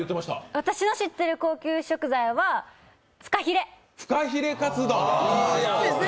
私の知ってる高級食材はフカヒレ！